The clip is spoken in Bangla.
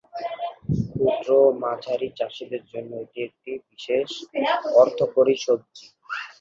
ক্ষুদ্র ও মাঝারি চাষীদের জন্য এটি একটি বিশেষ অর্থকরী সবজি।